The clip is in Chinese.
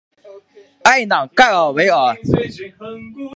埃朗盖尔维尔。